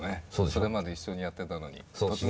それまで一緒にやってたのに。